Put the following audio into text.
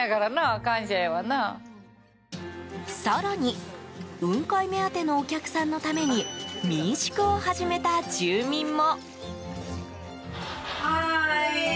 更に、雲海目当てのお客さんのために民宿を始めた住民も。